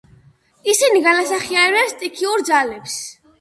ისინი განასახიერებდნენ სტიქიურ ძალებს.